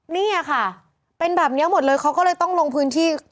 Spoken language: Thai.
เนี่ยค่ะเป็นแบบนี้หมดเลยเขาก็เลยต้องลงพื้นที่